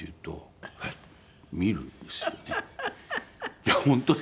いや本当です。